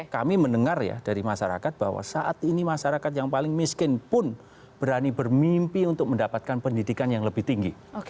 kami mendengar ya dari masyarakat bahwa saat ini masyarakat yang paling miskin pun berani bermimpi untuk mendapatkan pendidikan yang lebih tinggi